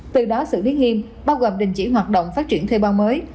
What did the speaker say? từ đó sự liên nghiêm bao gồm đình chỉ hoạt động phát triển thuê bao mới